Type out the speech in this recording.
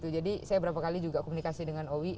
jadi saya berapa kali juga komunikasi dengan owi